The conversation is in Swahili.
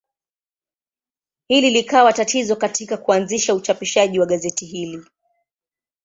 Hili likawa tatizo katika kuanzisha uchapishaji wa gazeti hili.